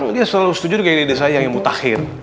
dia selalu setuju dengan ide saya yang mutakhir